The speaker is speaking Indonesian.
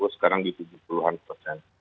sekarang di tujuh puluh an persen